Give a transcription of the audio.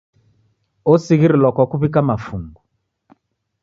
Osighirilwa kwa kuw'ika mafungu.